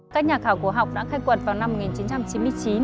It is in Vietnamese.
các nhà khảo cổ học đã khai quật vào năm một nghìn chín trăm chín mươi chín